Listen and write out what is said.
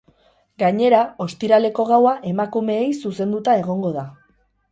Gainera, ostiraleko gaua emakumeei zuzenduta egongo da.